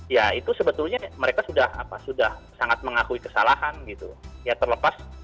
ya itu sebetulnya mereka sudah sangat mengakui kesalahan gitu ya terlepas